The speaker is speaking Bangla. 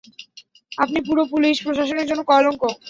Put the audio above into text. আপনি পুরো পুলিশ প্রশাসনের জন্য কলঙ্ক।